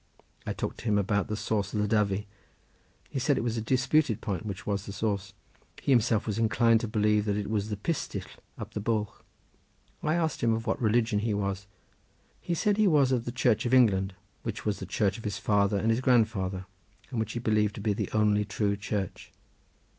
I talked to him about the source of the Dyfi. He said it was a disputed point which was the source. He himself was inclined to believe that it was the Pistyll up the bwlch. I asked him of what religion he was. He said he was of the Church of England, which was the Church of his father and his grandfather, and which he believed to be the only true Church.